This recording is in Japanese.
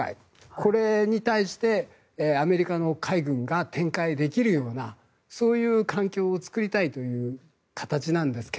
これに対して、アメリカの海軍が展開できるようなそういう環境を作りたいという形なんですが。